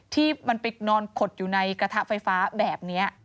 ที่มันไปนอนขดอยู่ในกระทะไฟฟ้าแบบนี้